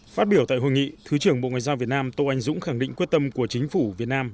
phát biểu tại hội nghị thứ trưởng bộ ngoại giao việt nam tô anh dũng khẳng định quyết tâm của chính phủ việt nam